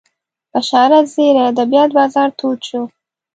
بشارت زیري ادبیات بازار تود شو